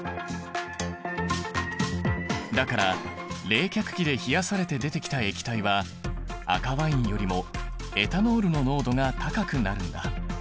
だから冷却器で冷やされて出てきた液体は赤ワインよりもエタノールの濃度が高くなるんだ。